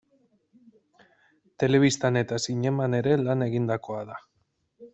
Telebistan eta zineman ere lan egindakoa da.